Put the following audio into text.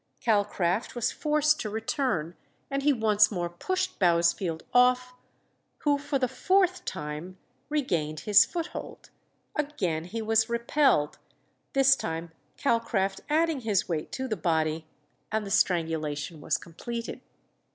Calcraft was forced to return, and he once more pushed Bousfield off, who for the fourth time regained his foothold. Again he was repelled, this time Calcraft adding his weight to the body, and the strangulation was completed.